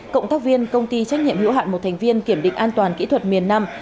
cộng tác viên công ty trách nhiệm hữu hạn một thành viên kiểm định an toàn kỹ thuật miền nam